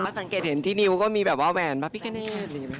สังเกตเห็นที่นิ้วก็มีแบบว่าแหวนพระพิกาเนต